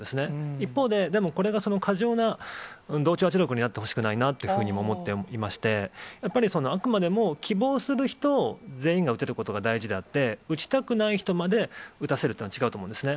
一方で、でもこれが過剰な同調圧力になってほしくないなと思っていまして、やっぱりあくまでも希望する人全員が打てることが大事であって、打ちたくない人まで打たせるというのは違うと思うんですね。